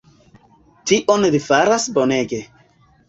Tion li faras bonege.